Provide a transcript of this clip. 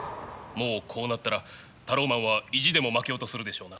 もうこうなったらタローマンは意地でも負けようとするでしょうな。